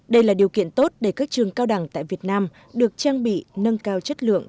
đây là điều kiện tốt để các trường cao đẳng tại việt nam được trang bị nâng cao chất lượng